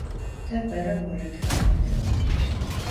Te bere voredxer khete'ox.